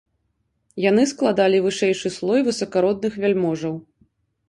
Яны складалі вышэйшы слой высакародных вяльможаў.